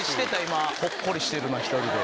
ほっこりしてるな１人で。